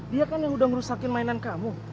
dia kan yang udah merusakin mainan kamu